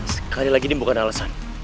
sekali lagi ini bukan alasan